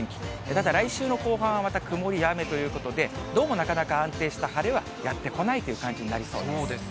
ただ来週の後半はまた曇りや雨ということで、どうもなかなか安定した晴れはやって来ないという感じになりそうです。